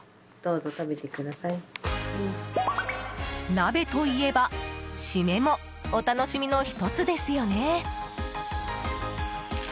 鍋といえばシメもお楽しみの１つですよね。